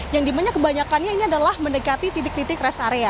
yang dimana kebanyakannya ini adalah mendekati titik titik rest area